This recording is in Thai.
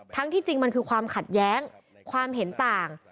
ที่จริงมันคือความขัดแย้งความเห็นต่าง